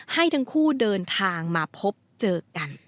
ให้ทั้งคู่เดินทางมาพบเจอกัน